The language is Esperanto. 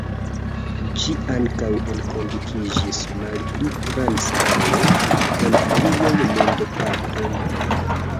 Ĝi ankaŭ enkondukiĝis malpli grandskale en aliaj mondopartoj.